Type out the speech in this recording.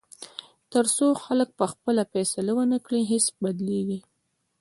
تر څو خلک پخپله فیصله ونه کړي، هیڅ بدلېږي.